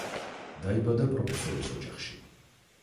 დაიბადა პროფესორის ოჯახში.